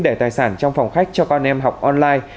để tài sản trong phòng khách cho con em học online